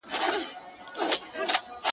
په تلاښ د وظیفې سوه د خپل ځانه,